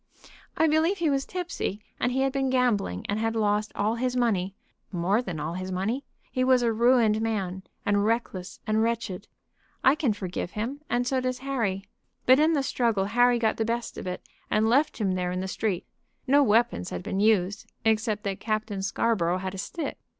"I believe he was tipsy, and he had been gambling, and had lost all his money more than all his money. He was a ruined man, and reckless and wretched. I can forgive him, and so does Harry. But in the struggle Harry got the best of it, and left him there in the street. No weapons had been used, except that Captain Scarborough had a stick.